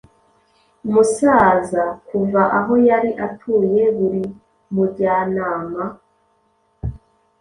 Umusaza kuva aho yari atuye buri mujyanama